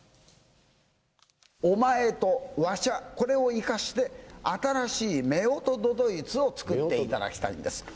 お前とわしゃ、これを生かして、新しい夫婦都々逸を作っていただきたいんです。